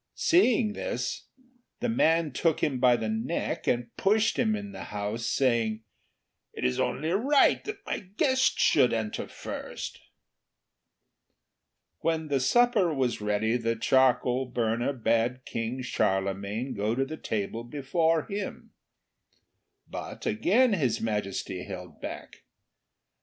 Seeing this the man took him by the neck and pushed him in the house, saying, "It is only right that my guest should enter first." When supper was ready the charcoal burner bade King Charlemagne go to the table before him. But again His Majesty held back.